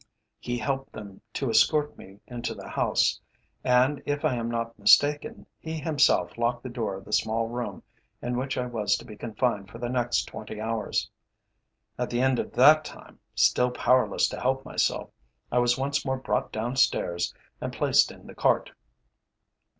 He helped them to escort me into the house, and, if I am not mistaken, he himself locked the door of the small room in which I was to be confined for the next twenty hours. At the end of that time, still powerless to help myself, I was once more brought downstairs and placed in the cart.